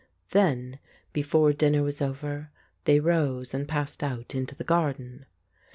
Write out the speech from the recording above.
Then, before dinner was over, they rose and passed out into the garden.